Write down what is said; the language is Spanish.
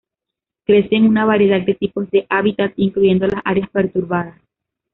Crece en una variedad de tipos de hábitat, incluyendo las áreas perturbadas.